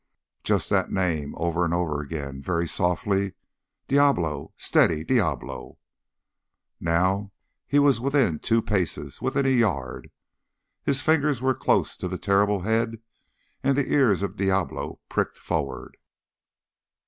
Just that name, over and over again, very softly, "Diablo! Steady, Diablo!" Now he was within two paces within a yard his fingers were close to the terrible head and the ears of Diablo pricked forward.